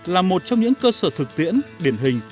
là một trong những cơ sở thực tiễn điển hình